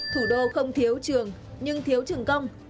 thủ đô không thiếu trường nhưng thiếu trường công